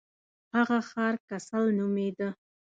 هغه ښار کسل نومیده.